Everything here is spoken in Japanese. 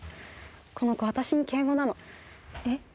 この子私に敬語なのえっ？